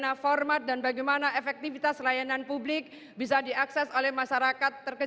hadas indonesei keal roaine untuk bestiale ni kaya tai